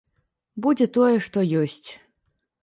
Будзе тое, што ёсць.